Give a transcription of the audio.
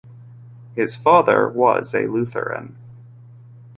His father was a Lutheran.